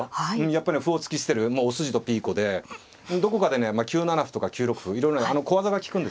やっぱりね歩を突き捨てるもうお筋とピーコでどこかでね９七歩とか９六歩いろいろね小技が利くんですよね。